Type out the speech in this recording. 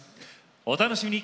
お楽しみに。